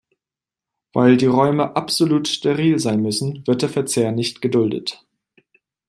Weil die Räume absolut steril sein müssen, wird der Verzehr nicht geduldet.